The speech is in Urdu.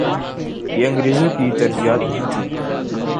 یہ انگریزوں کی ترجیحات نہیں تھیں۔